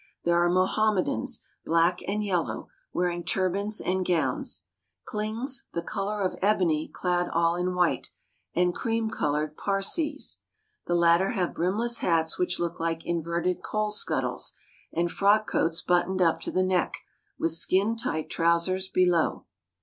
There are Mohammedans, black and yellow, wearing turbans and gowns ; Klings the color of ebony, clad all in white ; and cream colored Parsees. The latter have brimless hats which look like inverted coal scuttles, and frock coats buttoned up to the neck, with skin tight trousers below.